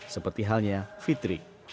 seperti halnya fitri